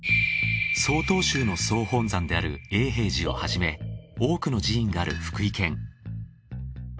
曹洞宗の総本山である永平寺をはじめ多くの寺院がある福井県。